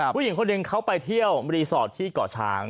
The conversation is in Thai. ผู้หญิงคนหนึ่งเขาไปเที่ยวรีสอร์ทที่เกาะช้าง